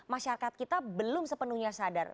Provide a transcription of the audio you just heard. masyarakat kita belum sepenuhnya sadar